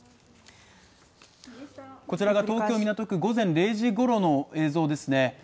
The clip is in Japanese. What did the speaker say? こちらが東京港区午前０時ごろの映像ですね